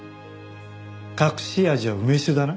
隠し味は梅酒だな？